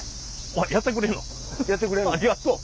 ありがとう。